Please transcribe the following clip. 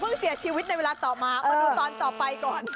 เสียชีวิตในเวลาต่อมามาดูตอนต่อไปก่อน